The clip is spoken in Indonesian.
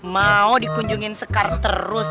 mau dikunjungin sekar terus